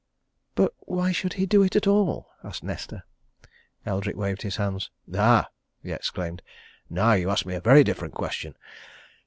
"But why should he do it at all?" asked Nesta. Eldrick waved his hands. "Ah!" he exclaimed. "Now you ask me a very different question!